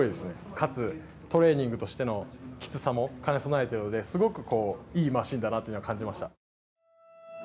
勝つトレーニングとしてのきつさも兼ね備えているのですごくいいマシンだなと感じました。